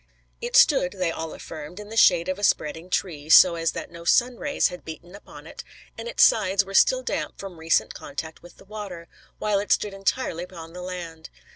It stood, they all affirmed, in the shade of a spreading tree, so as that no sun rays had beaten upon it, and its sides were still damp from recent contact with the water, while it stood entirely upon the land.